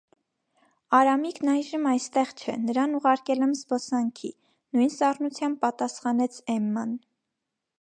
- Արամիկն այժմ այստեղ չէ, նրան ուղարկել եմ զբոսանքի,- նույն սառնությամբ պատասխանեց Էմման: